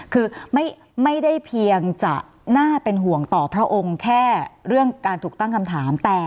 คือไม่ได้เพียงจะน่าเป็นห่วงต่อพระองค์แค่เรื่องการถูกตั้งคำถาม